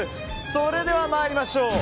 それでは参りましょう。